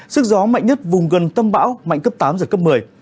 sức gió mạnh nhất vùng gần tâm bão mạnh cấp tám giật cấp một mươi